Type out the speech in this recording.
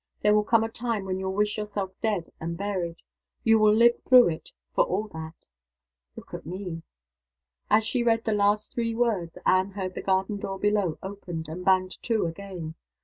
There will come a time when you'll wish yourself dead and buried. You will live through it, for all that. Look at Me." As she read the last three words, Anne heard the garden door below opened and banged to again.